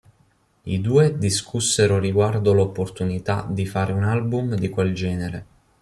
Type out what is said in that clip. I due discussero riguardo l'opportunità di fare un album di quel genere.